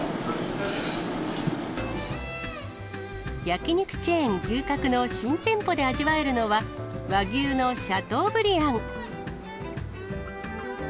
焼き肉チェーン、牛角の新店舗で味わえるのは、和牛のシャトーブリアン。